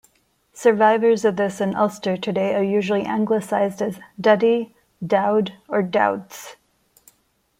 Survivors of this in Ulster today are usually anglicised as Duddy, Dowd or Dowds.